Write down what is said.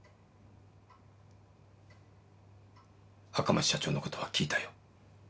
赤松社長のことは聞いたよ。